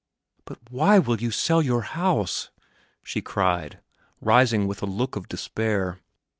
"But why will you sell your house?" she cried, rising with a look of despair.